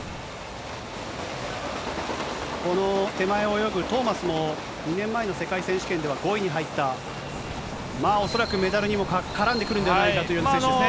この手前を泳ぐトーマスも、２年前の世界選手権では５位に入った、恐らくメダルにも絡んでくるんではないかという選手ですね。